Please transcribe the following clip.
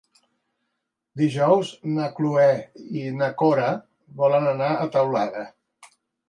Dijous na Cloè i na Cora volen anar a Teulada.